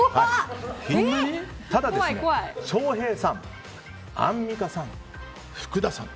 ただ、翔平さん、アンミカさん福田さん